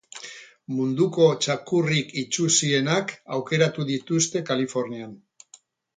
Munduko txakurrik itsusienak aukeratu dituzte Kalifornian